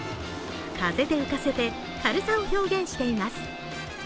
風で浮かせて軽さを表現しています。